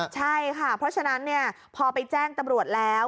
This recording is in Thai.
ใช่ค่ะเพราะฉะนั้นพอไปแจ้งตำรวจแล้ว